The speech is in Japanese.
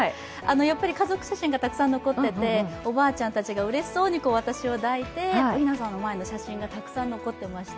やっぱり家族写真がたくさん残っていておばあちゃんたちがうれしそうに私を抱いて、おひな様の前の写真がたくさん残っていまして。